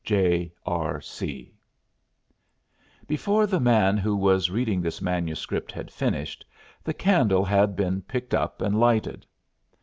"J.R.C." Before the man who was reading this manuscript had finished, the candle had been picked up and lighted.